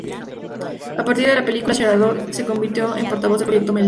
A partir de la película Sarandon se convirtió en portavoz del "Proyecto Mielina".